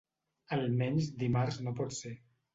Al menys dimarts no pot ser.